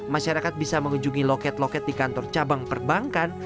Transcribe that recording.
masyarakat bisa mengunjungi loket loket di kantor cabang perbankan